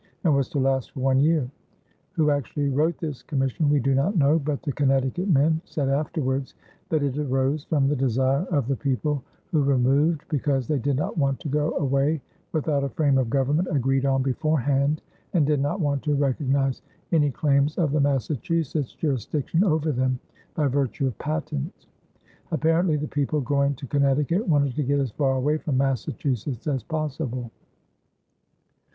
and was to last for one year. Who actually wrote this commission we do not know, but the Connecticut men said afterwards that it arose from the desire of the people who removed, because they did not want to go away without a frame of government agreed on beforehand and did not want to recognize "any claymes of the Massachusetts jurisdiction over them by vertew of Patent." Apparently the people going to Connecticut wanted to get as far away from Massachusetts as possible.